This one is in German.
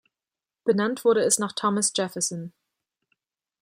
Benannt wurde es nach Thomas Jefferson.